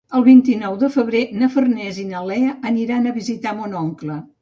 El vint-i-nou de febrer na Farners i na Lea aniran a visitar mon oncle.